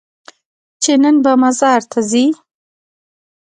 چې نن به مزار ته ځې؟